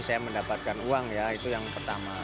saya mendapatkan uang ya itu yang pertama